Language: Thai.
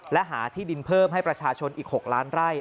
และหาที่ดินเพิ่มให้ประชาชนอีก๖ล้านไร่